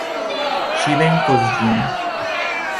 Ŝi venkos ĝin!